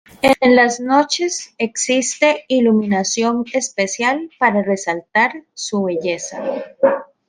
En las noches existe iluminación especial para resaltar su belleza.